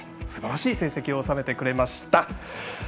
すばらしい成績を収めてくれました。